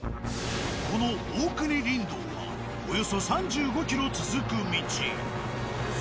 この大国林道はおよそ３５ｋｍ続く道。